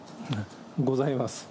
ございます。